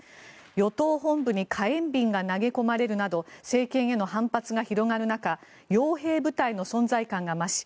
与党本部に火炎瓶が投げ込まれるなど政権への反発が広まる中傭兵部隊の存在感が増し